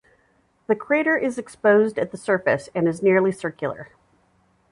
The crater is exposed at the surface and is nearly circular.